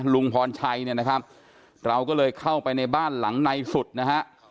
ลุงพรชัยเนี่ยนะครับเราก็เลยเข้าไปในบ้านหลังในสุดนะฮะ